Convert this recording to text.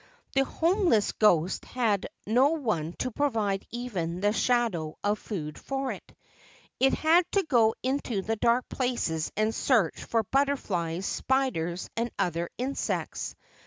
The homeless ghost had no one to provide even the shadow of food for it. It had to go into the dark places and search for butterflies, spiders, and other insects.